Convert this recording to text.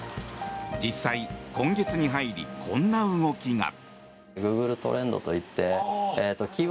実際、今月に入りこんな動きが。